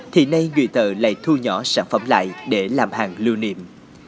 thì nay người tờ lại thu nhỏ sản phẩm lại để làm hàng lưu niệm